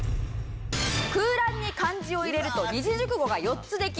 空欄に漢字を入れると二字熟語が４つできます。